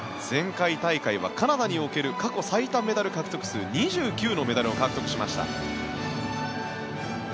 前回大会はカナダにおける過去最多メダル獲得数２９のメダルを獲得しました。